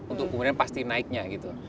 untuk kemudian pasti naiknya gitu